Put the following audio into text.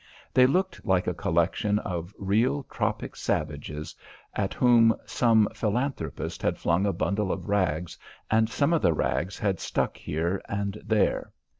They looked like a collection of real tropic savages at whom some philanthropist had flung a bundle of rags and some of the rags had stuck here and there.